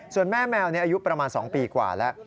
ส่วนแม่แมวนี้อายุประมาณ๒ปีกว่าแล้ว